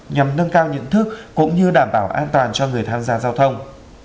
nhằm nâng cao nhận thức cũng như đảm bảo an toàn cho người tham gia giao thông